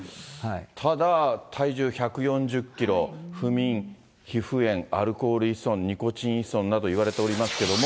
ただ、体重１４０キロ、不眠、皮膚炎、アルコール依存、ニコチン依存など、いわれておりますけれども。